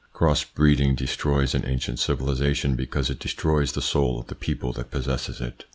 Cross breeding destroys an ancient civilisation because it destroys the soul of the people that possesses it.